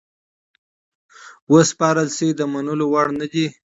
وسپارل سي د منلو وړ نه دي.